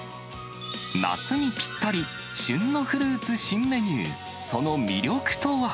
夏にぴったり、旬のフルーツ新メニュー、その魅力とは。